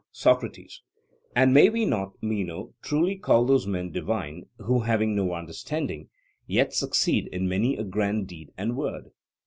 SOCRATES: And may we not, Meno, truly call those men 'divine' who, having no understanding, yet succeed in many a grand deed and word?